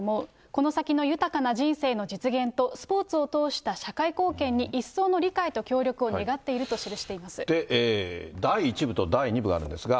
この先の豊かな人生の実現と、スポーツを通した社会貢献に一層の理解と協力を願っていると記しで、第１部と第２部があるんですが。